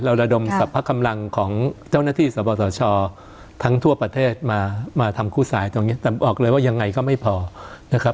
ระดมสรรพกำลังของเจ้าหน้าที่สปสชทั้งทั่วประเทศมามาทำคู่สายตรงนี้แต่บอกเลยว่ายังไงก็ไม่พอนะครับ